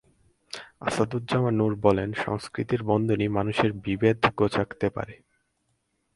আসাদুজ্জামান নূর বলেন, সংস্কৃতির বন্ধনই মানুষের বিভেদ ঘোচাতে পারে।